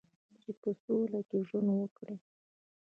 چې په سوله کې ژوند وکړي.